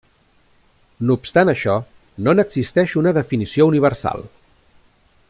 No obstant això, no n'existeix una definició universal.